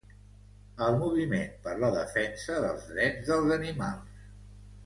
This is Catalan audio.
El moviment per la defensa dels drets dels animals.